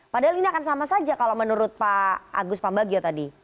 padahal ini akan sama saja kalau menurut pak agus pambagio tadi